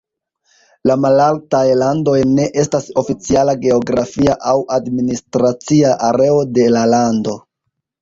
La Malaltaj Landoj ne estas oficiala geografia aŭ administracia areo de la lando.